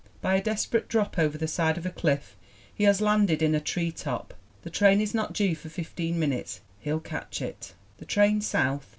By a desperate drop over the side of a cliff he has landed in a tree top. The train is not due for fifteen minutes. He'll catch it "The train south?'